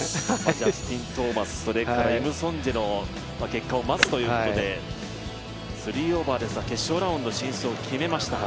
ジャスティン・トーマス、イムソンジェの結果を待つということで３オーバーですが、決勝ラウンド進出を決めました。